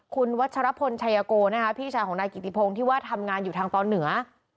คุณวัชรพลชายโกนะคะพี่ชายของนายกิติพงศ์ที่ว่าทำงานอยู่ทางตอนเหนือ